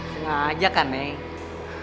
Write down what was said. sengaja kan neng